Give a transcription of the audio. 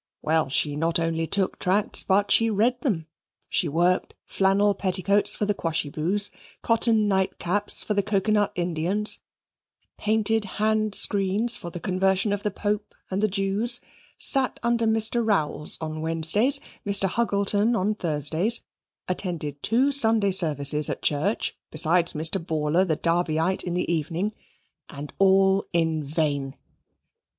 Well, she not only took tracts, but she read them. She worked flannel petticoats for the Quashyboos cotton night caps for the Cocoanut Indians painted handscreens for the conversion of the Pope and the Jews sat under Mr. Rowls on Wednesdays, Mr. Huggleton on Thursdays, attended two Sunday services at church, besides Mr. Bawler, the Darbyite, in the evening, and all in vain.